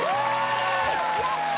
やった！